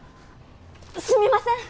すみません！